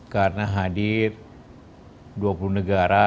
karena hadir dua puluh negara